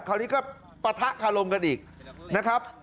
คราวนี้ก็ปะทะคารมกันอีกนะครับ